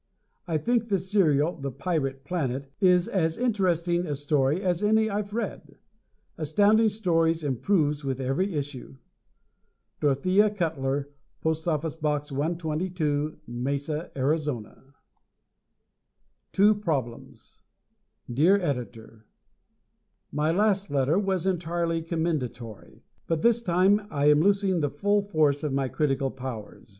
I think the serial "The Pirate Planet," is as interesting a story as any I've read. Astounding Stories improves with every issue. Dorothea Cutler, P.O. Box 122, Mesa, Arizona. Two Problems Dear Editor: My last letter was entirely commendatory, but this time I am losing the full force of my critical powers